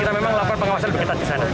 kita memang lapor pengawasan begitu kesana